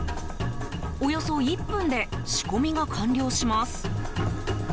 およそ１分で仕込みが完了します。